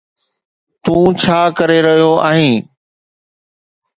تون ڇا ڪري رهيو آهين؟